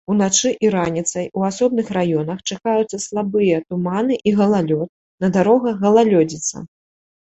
Уначы і раніцай у асобных раёнах чакаюцца слабыя туманы і галалёд, на дарогах галалёдзіца.